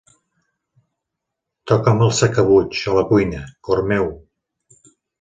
Toca'm el sacabutx a la cuina, cor meu.